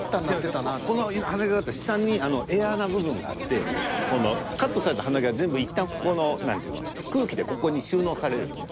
この鼻毛カッター下にエアーな部分があってこのカットされた鼻毛は全部一旦ここの何て言うの空気でここに収納されるようにね。